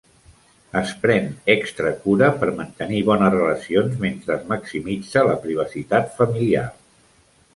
Es pren extra cura per mantenir bones relacions mentre es maximitza la privacitat familiar.